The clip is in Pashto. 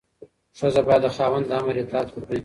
ښځه باید د خاوند د امر اطاعت وکړي.